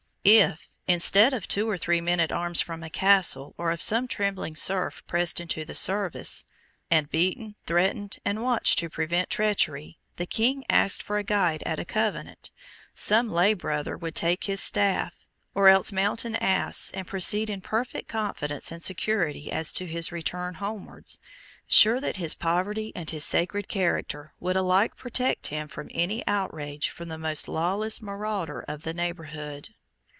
If, instead of two or three men at arms from a Castle, or of some trembling serf pressed into the service, and beaten, threatened, and watched to prevent treachery, the King asked for a guide at a Convent, some lay brother would take his staff; or else mount an ass, and proceed in perfect confidence and security as to his return homewards, sure that his poverty and his sacred character would alike protect him from any outrage from the most lawless marauder of the neighbourhood.